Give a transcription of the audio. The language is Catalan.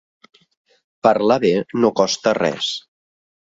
Parlar bé no costa res.